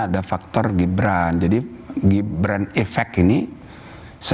ada faktor gibran jadi gibran efek ini